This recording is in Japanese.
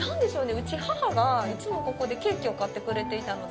うち、母がいつもここでケーキを買ってくれていたので。